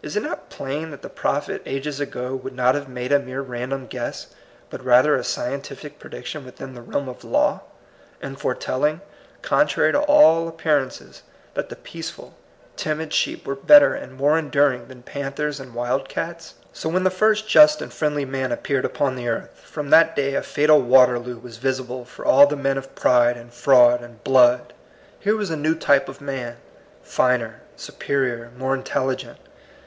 Is it not plain that the prophet ages ago would not have made a mere random guess, but rather a scientific prediction within the realm of law, in foretelling, contrary to all appearances, that the peaceful, timid sheep were better and more enduring than panthers and wildcats? So when the first just and friendly man appeared upon the earth, from that day a fatal Waterloo was visible for all the men of pride and fraud and blood. Here was a new type of man, finer, superior, more intelligent.